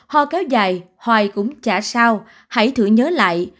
hoa kéo dài hoài cũng chả sao hãy thử nhớ lại